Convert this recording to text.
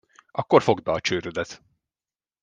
Akkor fogd be a csőrödet.